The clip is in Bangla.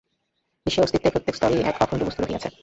বিশ্বে অস্তিত্বের প্রত্যেক স্তরেই এক অখণ্ড বস্তু রহিয়াছে।